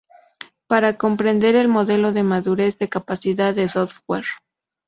Para Comprender el Modelo de Madurez de Capacidad del Software.